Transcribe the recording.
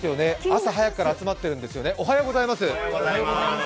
朝早くから集まっているんですよね、おはようございます。